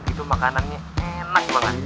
itu makanannya enak banget